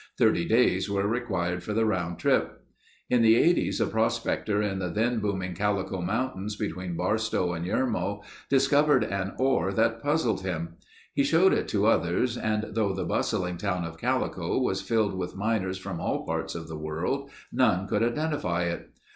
Thirty days were required for the round trip. In the Eighties a prospector in the then booming Calico Mountains, between Barstow and Yermo discovered an ore that puzzled him. He showed it to others and though the bustling town of Calico was filled with miners from all parts of the world, none could identify it.